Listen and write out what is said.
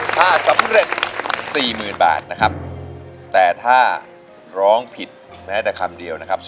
ถ้าสำเร็จสี่หมื่นบาทนะครับแต่ถ้าร้องผิดแม้แต่คำเดียวนะครับ